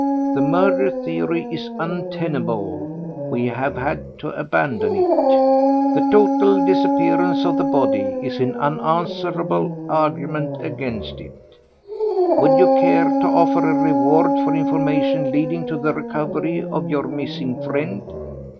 The murder theory is untenable; we have had to abandon it. The total disappearance of the body is an unanswerable argument against it. Would you care to offer a reward for information leading to the recovery of your missing friend?"